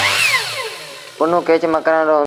پنهون ڪيچ مڪرآݩ رو هُݩدو۔